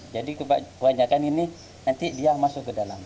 jadi buahnya kan ini nanti dia masuk ke dalam